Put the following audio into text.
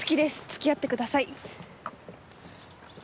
付き合ってください。